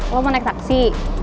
lo mau naik taksi